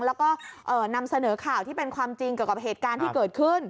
แล้วก็นำเสนอข่าวที่เป็นความจริงเกี่ยวกับเหตุการณ์ที่เกิดขึ้น